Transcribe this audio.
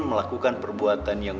melakukan perbuatan yang tidak diinginkan